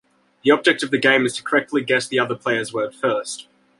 The object of the game is to correctly guess the other player's word first.